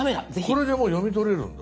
これでもう読み取れるんだ。